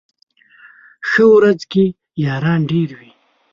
ښه ورځ کي ياران ډېر وي